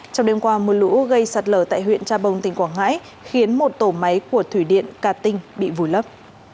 trong đêm qua mưa lũ gây sạt lở tại huyện trà bồng tỉnh quảng ngãi khiến một tổ máy của thủy điện ca tinh bị vùi lấp